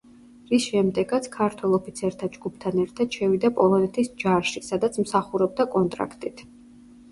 რის შემდეგაც ქართველ ოფიცერთა ჯგუფთან ერთად შევიდა პოლონეთის ჯარში, სადაც მსახურობდა კონტრაქტით.